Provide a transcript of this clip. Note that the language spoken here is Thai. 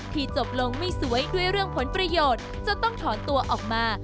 จบลงไม่สวยด้วยเรื่องผลประโยชน์จนต้องถอนตัวออกมา